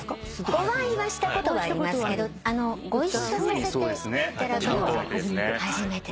お会いはしたことがありますけどご一緒させていただくのは初めてで。